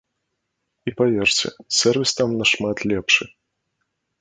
І паверце, сэрвіс там на шмат лепшы.